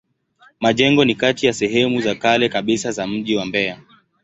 Majengo ni kati ya sehemu za kale kabisa za mji wa Mbeya.